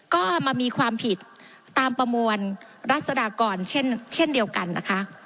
ก็มามีความผิดตามประมวลรัศดากรเช่นเดียวกันนะคะ